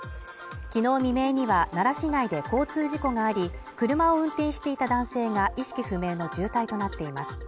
昨日未明には奈良市内で交通事故があり車を運転していた男性が意識不明の重体となっています